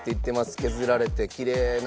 削られてきれいな。